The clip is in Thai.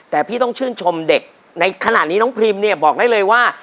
แต่พี่ต้องชื่นชมเด็กในขณะนี้น้องพรีมเนี่ยบอกได้เลยว่า